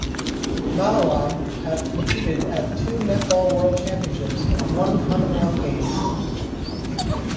Malawi have competed at two Netball World Championships, and one Commonwealth Games.